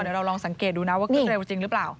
เดี๋ยวเราลองสังเกตดูนะว่าขึ้นเร็วจริงหรือเปล่า